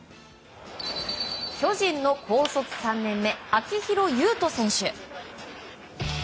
巨人の高卒３年目秋広優人選手。